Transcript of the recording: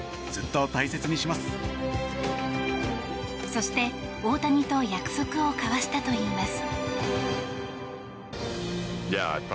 そして、大谷と約束を交わしたといいます。